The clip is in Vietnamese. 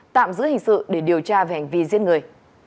tạm giữ hình sự để điều tra về hành vi giết người